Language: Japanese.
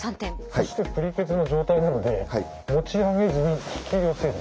そしてぷりケツの状態なので持ち上げずに引き寄せる。